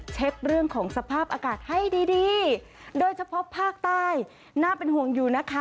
เช็คเรื่องของสภาพอากาศให้ดีดีโดยเฉพาะภาคใต้น่าเป็นห่วงอยู่นะคะ